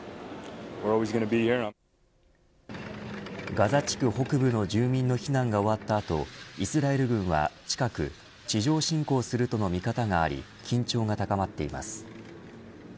ガザ地区北部の住民の避難が終わった後イスラエル軍は近く地上侵攻するとの見方があり緊張が高まっています。